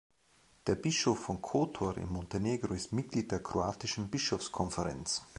Der Bischof von Kotor in Montenegro ist Mitglied der kroatischen Bischofskonferenz.